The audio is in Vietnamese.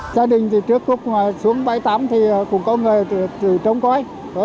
gia đình thì trước cuộc xuống bãi tắm thì cũng có người từ trống cối